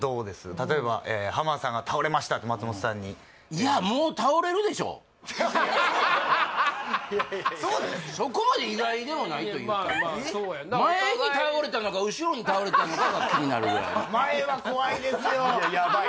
例えば浜田さんが倒れましたって松本さんにそこまで意外でもないというかまあまあそうやんなが気になるぐらい前は怖いですよヤバい